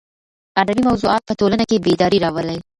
ادبي موضوعات په ټولنه کې بېداري راولي.